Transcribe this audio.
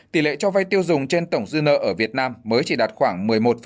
tỷ lệ cho vay tiêu dùng trên tổng dư nợ ở việt nam mới chỉ đạt khoảng một mươi một